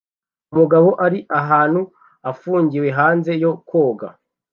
Umugabo ari ahantu afungiwe hanze yo koga